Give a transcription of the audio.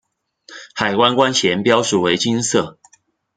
海关关衔标志为金色。